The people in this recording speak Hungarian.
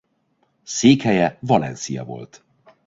Székhelye Valencia volt.